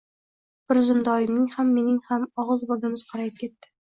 Bir zumda oyimning ham, mening ham og‘iz-burnimiz qorayib ketdi.